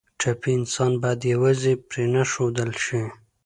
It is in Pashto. ټپي انسان باید یوازې پرېنښودل شي.